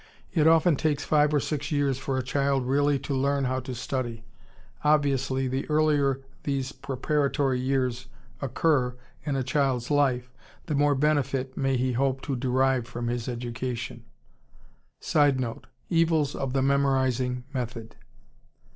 It often takes five or six years for a child really to learn how to study. Obviously, the earlier these preparatory years occur in a child's life, the more benefit may he hope to derive from his education. [Sidenote: Evils of the memorizing method.